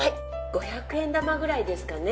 ５００円玉くらいですかね。